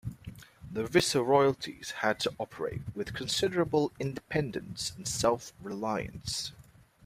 The viceroyalties had to operate with considerable independence and self-reliance.